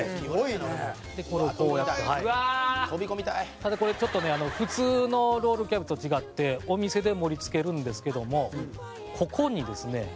「ただこれちょっとね普通のロールキャベツと違ってお店で盛り付けるんですけどもここにですね